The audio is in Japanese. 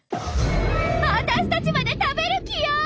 アタシたちまで食べる気よ！